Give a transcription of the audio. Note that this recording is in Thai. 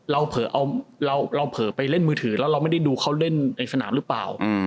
เผลอเราเผลอไปเล่นมือถือแล้วเราไม่ได้ดูเขาเล่นในสนามหรือเปล่า